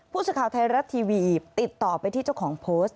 ผู้สื่อข่าวไทยรัฐทีวีติดต่อไปที่เจ้าของโพสต์